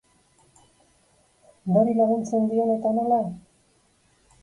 Nori laguntzen dion eta nola?